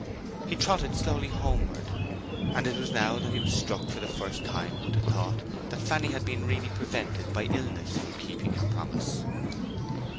He trotted slowly homeward, and it was now that he was struck for the first time with a thought that Fanny had been really prevented by illness from keeping her promise.